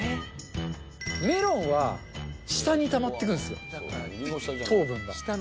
メロンは下にたまっていくんすよ、糖分が。